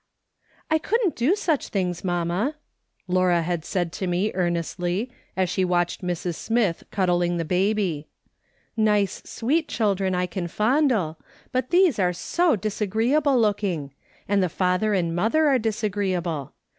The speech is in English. " I couldn't do such things, mamma," Laura had said to me, earnestly, as she watched Mrs. Smith cuddling the baby. " Nice sweet children I can fondle, but these are so disagreeable looking ; and the father and mother are disagreeable.